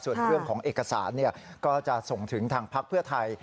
ส่วนเรื่องของเอกสารก็จะส่งถึงทางพักเพื่อไทย